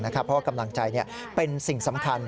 เพราะว่ากำลังใจเป็นสิ่งสำคัญ